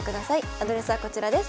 アドレスはこちらです。